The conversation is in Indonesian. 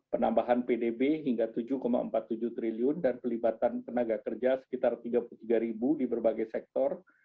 penambahan pdb hingga tujuh empat puluh tujuh triliun dan pelibatan tenaga kerja sekitar tiga puluh tiga ribu di berbagai sektor